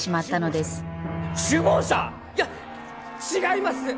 いや違います！